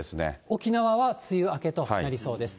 沖縄は梅雨明けとなりそうです。